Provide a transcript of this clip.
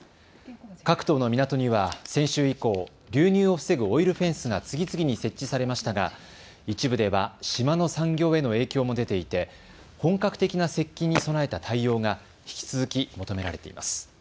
各島の港には先週以降、流入を防ぐオイルフェンスが次々に設置されましたが一部では島の産業への影響も出ていて本格的な接近に備えた対応が引き続き求められています。